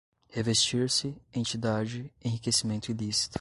revestir-se, entidade, enriquecimento ilícito